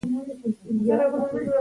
د مقدس جنګ پر بنسټ اعلانوي.